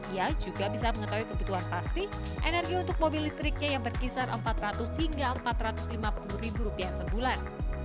ia juga bisa mengetahui kebutuhan pasti energi untuk mobil listriknya yang berkisar empat ratus hingga empat ratus lima puluh ribu rupiah sebulan